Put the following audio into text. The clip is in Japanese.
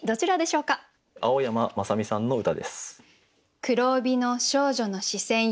青山正美さんの歌です。